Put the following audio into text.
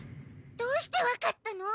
どうしてわかったの？